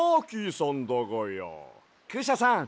クシャさん。